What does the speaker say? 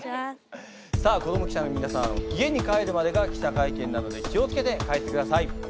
さあ子ども記者の皆さん家に帰るまでが記者会見なので気を付けて帰ってください。